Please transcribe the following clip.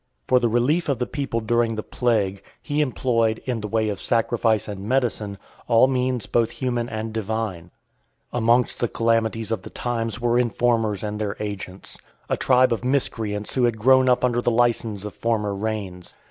For the relief of the people during the plague, he employed, in the way of sacrifice and medicine, all means both human and divine. Amongst the calamities of the times, were informers and their agents; a tribe of miscreants who had grown up under the licence of former reigns.